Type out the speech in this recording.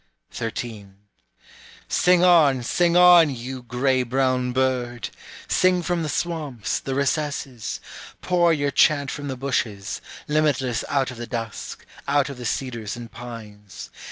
13. Sing on, sing on, you gray brown bird! Sing from the swamps, the recesses; pour your chant from the bushes, Limitless out of the dusk, out of the cedars and pines.